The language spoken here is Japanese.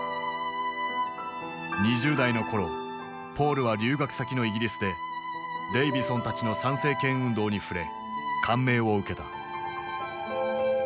２０代の頃ポールは留学先のイギリスでデイヴィソンたちの参政権運動に触れ感銘を受けた。